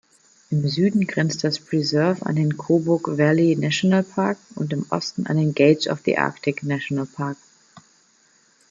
Im Süden grenzt das Preserve an den Kobuk-Valley-Nationalpark und im Osten an den Gates-of-the-Arctic-Nationalpark.